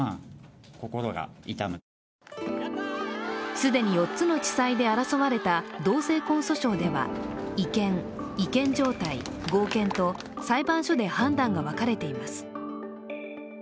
既に４つの地裁で争われた同性婚訴訟では違憲、違憲状態、合憲と裁判所で判断が分かれています。